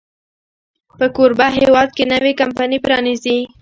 په کوربه هېواد کې نوې کمپني پرانیزي.